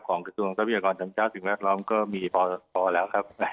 กระทรวงทรัพยากรธรรมชาติสิ่งแวดล้อมก็มีพอแล้วครับ